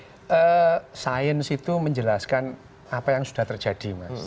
pemain situ menjelaskan apa yang sudah terjadi mas